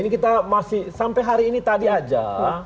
ini kita masih sampai hari ini tadi aja